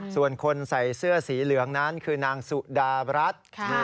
ส่วนคนใส่เสื้อสีเหลืองนั้นคือนางสุดารัฐ